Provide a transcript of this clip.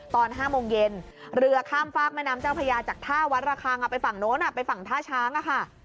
ตอน๕โมงเย็นเรือข้ามฝากแม่น้ำเจ้าพญาจากท่าวัดระคังไปฝั่งโน้นไปฝั่งท่าช้างอะค่ะ